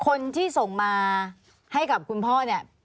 คนที่ส่งมาให้กับคุณพ่อเนี่ย